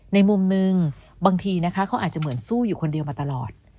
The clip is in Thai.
ในมุมนึงบางทีนะคะเขาอาจจะเหมือนสู้อยู่คนเดียวมาตลอด